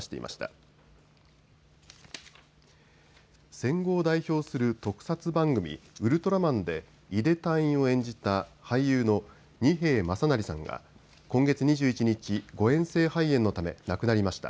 戦後を代表する特撮番組、ウルトラマンでイデ隊員を演じた俳優の二瓶正也さんが今月２１日、誤えん性肺炎のため亡くなりました。